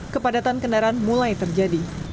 kepadatan kendaraan mulai terjadi